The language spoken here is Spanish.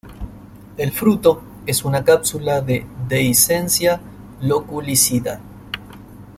El fruto es una cápsula de dehiscencia loculicida.